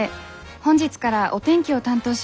本日からお天気を担当します